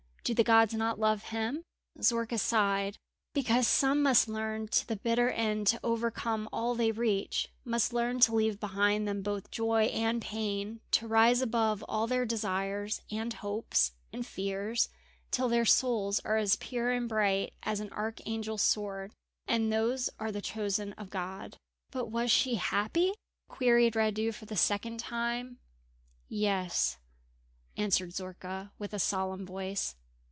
Do the gods not love him?" Zorka sighed: "Because some must learn to the bitter end to overcome all they reach; must learn to leave behind them both joy and pain; to rise above all their desires, and hopes, and fears, till their souls are as pure and bright as an archangel's sword; and those are the chosen of God." "But was she happy?" queried Radu, for the second time. "Yes," answered Zorka, with a solemn voice.